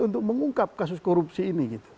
untuk mengungkap kasus korupsi ini